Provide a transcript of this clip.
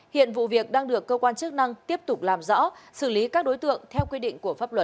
hiện vụ việc đang được cơ quan chức năng tiếp tục làm rõ xử lý các đối tượng theo quy định của pháp luật